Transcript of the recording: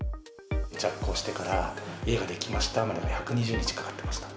着工してから家が出来ましたまで１２０日かかってました。